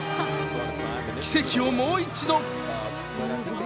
奇跡をもう一度。